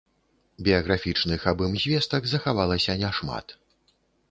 Біяграфічных аб ім звестак захавалася няшмат.